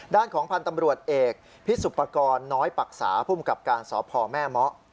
ด้านของพันธ์ตำรวจเอกพิสุปกรณ์น้อยปรักษาภูมิกับการสพแม่เมาะ